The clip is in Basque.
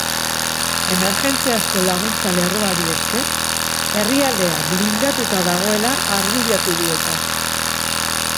Emergentziazko laguntza-lerroari esker, herrialdea blindatuta dagoela argudiatu du eta.